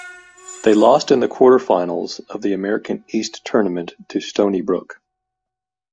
They lost in the quarterfinals of the America East Tournament to Stony Brook.